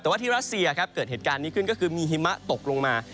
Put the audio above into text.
แต่ว่าที่รัสเซียครับเกิดเหตุการณ์นี้ขึ้นก็คือมีหิมะตกลงมา